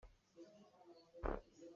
Rian aka fial i ka duh lo.